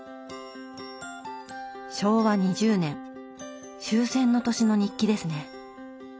昭和２０年終戦の年の日記ですね。